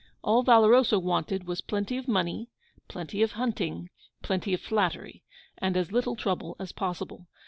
All Valoroso wanted was plenty of money, plenty of hunting, plenty of flattery, and as little trouble as possible.